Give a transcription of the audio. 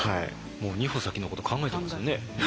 もう二歩先のこと考えてますよね。